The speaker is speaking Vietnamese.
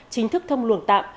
chính thức thông luồng tạm